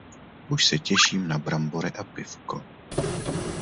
Už se těším na brambory a pivko.